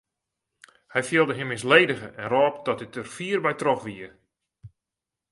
Hy fielde him misledige en rôp dat dit der fier by troch wie.